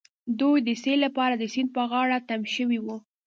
دوی د سيل لپاره د سيند په غاړه تم شوي وو.